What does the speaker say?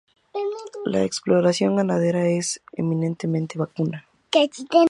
La explotación ganadera es, eminentemente, vacuna.